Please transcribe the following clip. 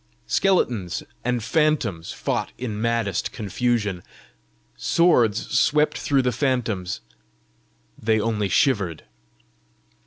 Skeletons and phantoms fought in maddest confusion. Swords swept through the phantoms: they only shivered.